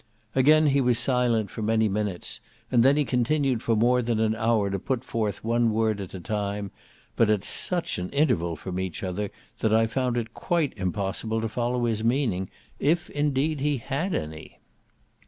Again he was silent for many minutes, and then he continued for more that an hour to put forth one word at a time, but at such an interval from each other that I found it quite impossible to follow his meaning, if, indeed, he had any.